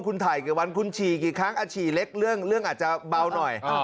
คุณถ่ายกี่วันคุณฉี่กี่ครั้งอาฉี่เล็กเรื่องอาจจะเบาหน่อย